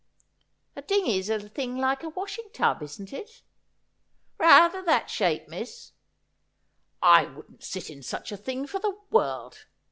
' A dingey's a thing like a washing tub, isn't it ?'' Rayther that shape, miss.' ' I wouldn't sit in such a thing for the world.